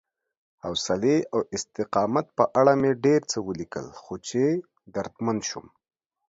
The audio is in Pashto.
حوصلې او استقامت په اړه مې ډېر څه ولیکل، خو چې دردمن شوم